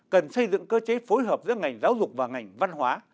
cần xây dựng cơ chế phối hợp giữa ngành giáo dục và ngành văn hóa